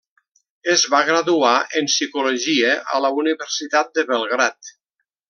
Es va graduar en Psicologia a la Universitat de Belgrad.